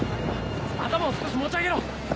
頭を少し持ち上げろ！